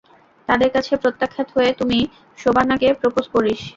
তাদের কাছে প্রত্যাখ্যাত হয়ে তুই শোবানাকে প্রপোজ করিস।